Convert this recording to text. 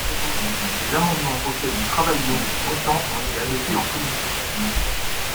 Des amendements auxquels nous travaillions depuis longtemps ont été adoptés en commission.